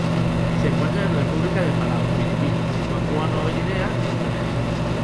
Se encuentran en República de Palau, Filipinas, Papúa Nueva Guinea y Indonesia.